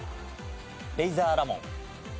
レイザーラモン。